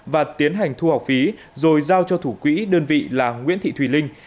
và tiến hành thu học phí rồi giao cho thủ quỹ đơn vị là nguyễn thị thùy linh